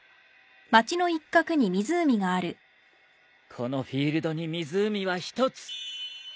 このフィールドに湖は一つ！